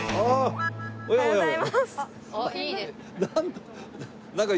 おはようございます。